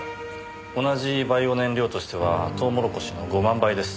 同じバイオ燃料としてはトウモロコシの５万倍です。